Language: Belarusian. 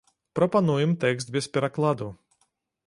Прапануем тэкст без перакладу.